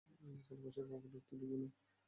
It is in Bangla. আমি ছাড়া বাসায় কাউকে ঢুকতে দিবে না।